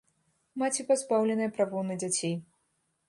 Маці пазбаўленая правоў на дзяцей.